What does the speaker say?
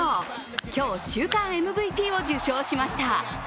今日、週間ＭＶＰを受賞しました。